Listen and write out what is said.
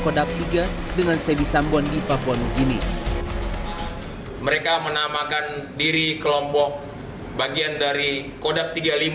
kodak tiga dengan sedih sambon di papua new guinea mereka menamakan diri kelompok bagian dari kodak